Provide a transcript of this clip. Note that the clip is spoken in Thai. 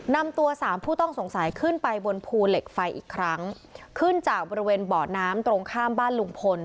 นำตัวสามผู้ต้องสงสัยขึ้นไปบนภูเหล็กไฟอีกครั้งขึ้นจากบริเวณเบาะน้ำตรงข้ามบ้านลุงพล